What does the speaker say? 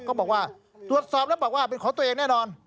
เขาบอกว่าตรวจสอบแล้วบอกว่าเป็นของตัวเองแน่นอน